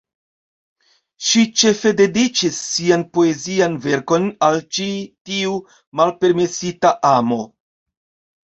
Ŝi ĉefe dediĉis sian poezian verkon al ĉi tiu malpermesita amo.